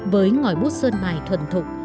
với ngõi bút sơn mài thuần thục